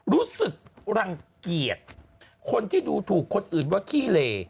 รู้สึกรังเกียจคนที่ดูถูกคนอื่นว่าขี้เล